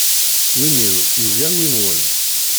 Win-iw yugar win-nwen.